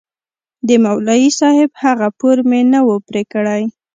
د مولوي صاحب هغه پور مې نه و پرې كړى.